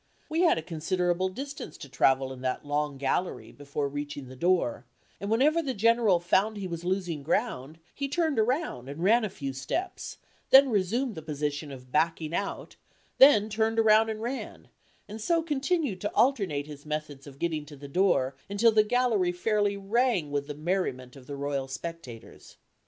We had a considerable distance to travel in that long gallery before reaching the door, and whenever the General found he was losing ground, he turned around and ran a few steps, then resumed the position of "backing out," then turned around and ran, and so continued to alternate his methods of getting to the door, until the gallery fairly rang with the merriment of the royal spectators.